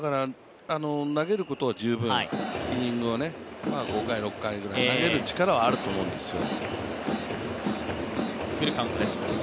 投げることは十分、イニングは５回、６回ぐらい投げる力はあると思うんですよ。